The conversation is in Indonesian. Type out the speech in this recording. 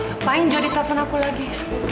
apaan jadi telepon aku lagi